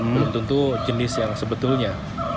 dan tentu jenis yang sebetulnya